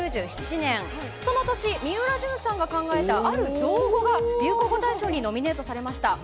その年、みうらじゅんさんが考えたある造語が流行語大賞にノミネートされました。